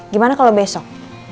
gimana kalau besok